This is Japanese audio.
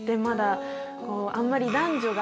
あんまり。